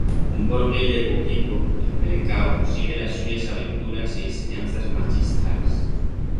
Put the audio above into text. Un borguil de publlico embelecau sigue las suyas aventuras y ensenyanzas machistrals.